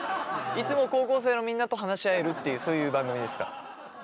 いつも高校生のみんなと話し合えるっていうそういう番組ですから。